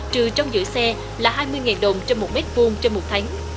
trừ trong giữa xe là hai mươi đồng trong một m hai trong một tháng